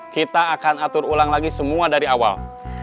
kita akan atur ulang lagi semua dari awal